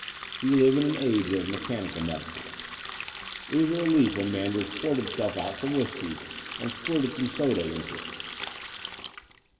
We live in an age of mechanical metaphor. It was a relief when Manders poured himself out some whisky and squirted some soda in to it.